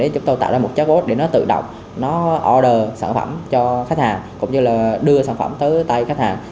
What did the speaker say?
chúng tôi tạo ra một chatbot để tự động order sản phẩm cho khách hàng cũng như đưa sản phẩm tới tay khách hàng